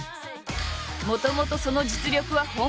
もともとその実力は本格派。